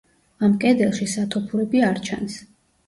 ამ კედელში სათოფურები არ ჩანს.